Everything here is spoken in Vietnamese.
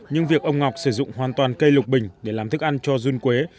nhưng việc ông ngọc sử dụng hoàn toàn cây lục bình để làm thức ăn cho run quế